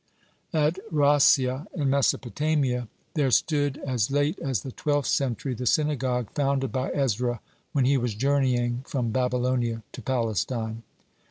(51) At Raccia, in Mesopotamia, there stood, as late as the twelfth century, the synagogue founded by Ezra when he was journeying from Babylonia to Palestine.